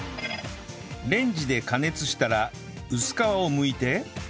レンジで加熱したら薄皮をむいて